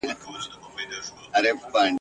تش کوهي ته په اوبو پسي لوېدلی !.